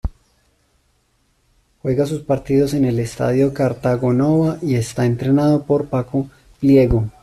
Juega sus partidos en el Estadio Cartagonova y está entrenado por Paco Pliego.